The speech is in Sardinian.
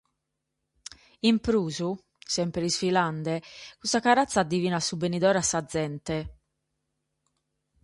In prus, semper isfilende, custa caratza adivinat su benidore a sa gente.